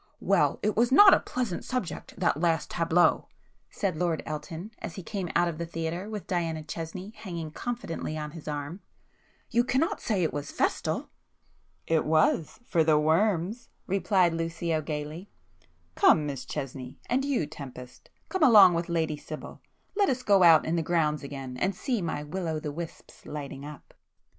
"Well, it was not a pleasant subject, that last tableau,"—said Lord Elton, as he came out of the theatre with Diana Chesney hanging confidingly on his arm—"You cannot say it was festal!" "It was,—for the worms!" replied Lucio gaily—"Come, Miss Chesney,—and you Tempest, come along with Lady Sibyl,—let us go out in the grounds again, and see my will o' the wisps lighting up."